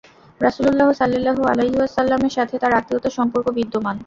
রাসূলুল্লাহ সাল্লাল্লাহু আলাইহি ওয়াসাল্লামের সাথে তাঁর আত্মীয়তার সম্পর্ক বিদ্যমান।